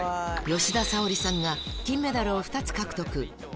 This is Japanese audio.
吉田沙保里さんが金メダルを２つ獲得。